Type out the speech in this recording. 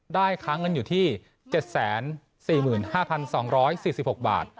ค้างเงินอยู่ที่๗๔๕๒๔๖บาท